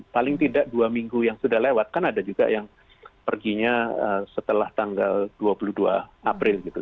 paling tidak dua minggu yang sudah lewat kan ada juga yang perginya setelah tanggal dua puluh dua april gitu